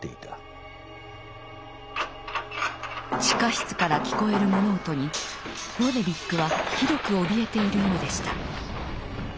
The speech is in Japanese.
地下室から聞こえる物音にロデリックはひどくおびえているようでした。